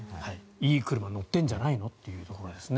いい車、乗ってるんじゃないの？というところです。